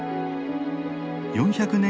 ４００年